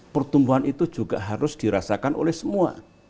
pertumbuhan itu juga harus dirasakan oleh semua